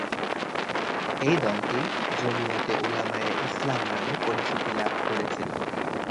এই দলটি জমিয়তে উলামায়ে ইসলাম নামে পরিচিতি লাভ করেছিল।